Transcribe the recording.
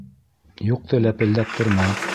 - Юҡты ләпелдәп торма!